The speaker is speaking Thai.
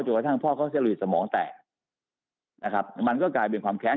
กระทั่งพ่อเขาเสลือดสมองแตกนะครับมันก็กลายเป็นความแค้น